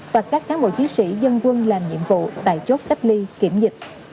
và các cán bộ chiến sĩ dân quân làm nhiệm vụ tại chốt cách ly kiểm dịch